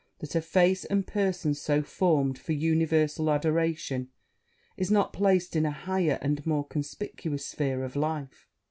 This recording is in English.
that a face and person so formed for universal admiration, is not placed in a higher and more conspicuous sphere of life!'